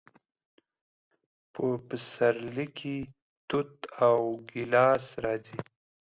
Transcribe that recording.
په پسرلي کې توت او ګیلاس راځي.